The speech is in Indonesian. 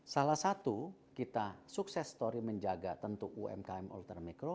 salah satu kita sukses story menjaga tentu umkm ultramikro